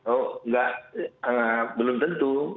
oh enggak belum tentu